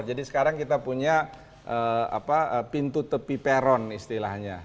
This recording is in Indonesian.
jadi sekarang kita punya pintu tepi peron istilahnya